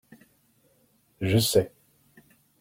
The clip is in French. Je sais.